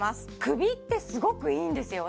首ってすごくいいんですよ